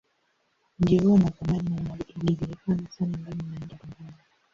Mji huo ni wa zamani na ilijulikana sana ndani na nje ya Tanzania.